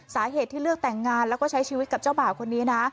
สาเหตุที่เลือกแต่งงานแล้วก็ใช้ชีวิตกับเจ้าบ่าวคนนี้นะ